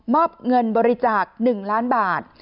อบเงินบริจาค๑ล้านบาท